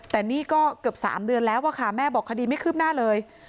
แต่นี่ก็เกือบ๓เดือนแล้วอะค่ะแม่บอกคดีไม่คืบหน้าเลย